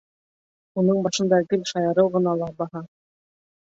Уның башында гел шаярыу ғына ла баһа.